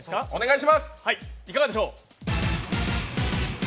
いかがでしょう？